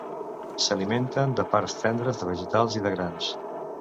S'alimenten de parts tendres de vegetals i de grans.